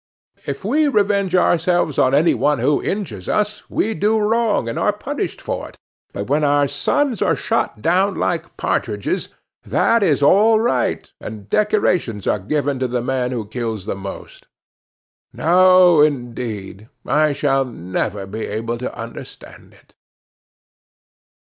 If we revenge ourselves on any one who injures us we do wrong, and are punished for it; but when our sons are shot down like partridges, that is all right, and decorations are given to the man who kills the most. No, indeed, I shall never be able to understand it."